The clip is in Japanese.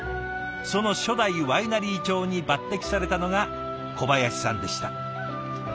その初代ワイナリー長に抜てきされたのが小林さんでした。